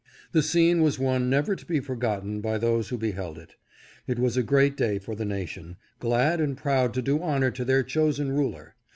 The scene was one never to be forgotten by those who beheld it. It was a great day for the nation, glad and proud to do honor to their chosen ruler.